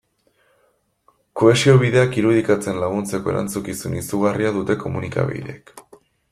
Kohesio bideak irudikatzen laguntzeko erantzukizun izugarria dute komunikabideek.